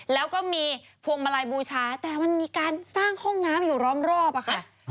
แล้วก็มีพวงมาลัยบูชาแต่มันมีการสร้างห้องน้ำอยู่ล้อมรอบอะค่ะ